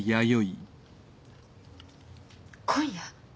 今夜？